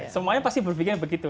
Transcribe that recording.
semuanya pasti berpikirnya begitu